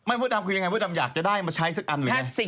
ไม่เพื่อนท่านคือยังไงเพื่อนท่านอยากจะได้มาใช้สักอันเหมือนเนี้ย